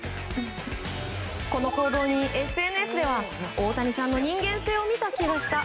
この行動にＳＮＳでは大谷さんの人間性を見た気がした。